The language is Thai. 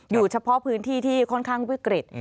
เฉพาะพื้นที่ที่ค่อนข้างวิกฤต